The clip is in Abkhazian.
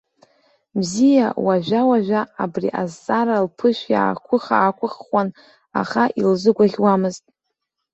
Мзиа уажәа-уажәа абри азҵаара лԥышә иаақәыхх-аақәыххуан, аха илзыгәаӷьуамызт.